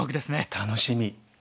楽しみ！